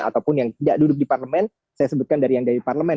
ataupun yang tidak duduk di parlemen saya sebutkan dari yang dari parlemen